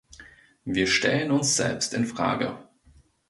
Wir stellen uns selbst in Frage.